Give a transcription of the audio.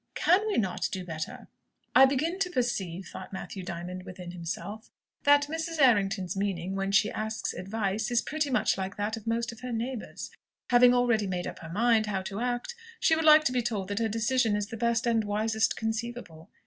Can we not do better?'" "I begin to perceive," thought Matthew Diamond within himself, "that Mrs. Errington's meaning, when she asks 'advice,' is pretty much like that of most of her neighbours. Having already made up her mind how to act, she would like to be told that her decision is the best and wisest conceivable."